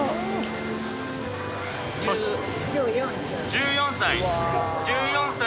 １４歳。